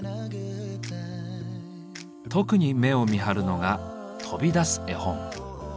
特に目を見張るのが「飛び出す絵本」。